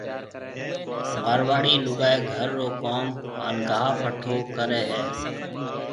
مارواڙي لوگائي گھر رو ڪوم ھان گاھ پٺو ڪرَي ھيَََ